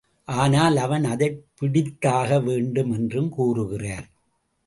ஆனால் அவன் அதைப் பிடித்தாக வேண்டும் என்றும் கூறுகிறார்.